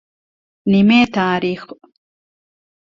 ނިމޭ ތާރީޚު